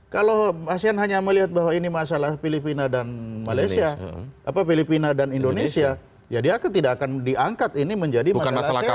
kalau asean hanya melihat bahwa ini masalah filipina dan indonesia ya dia akan tidak akan diangkat ini menjadi masalah asean